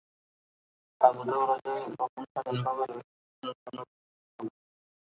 তাঁবুতে ওরা যে রকম স্বাধীনভাবে রয়েছে, শুনলে তোমরা বিস্মিত হবে।